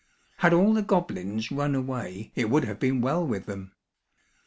Had all the goblins run away, it would have been well with them.